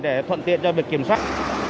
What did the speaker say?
để thuận tiện cho việc kiểm soát